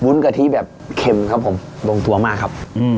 บุ้นกะทิแบบเค็มครับผมดองตัวมากครับอืม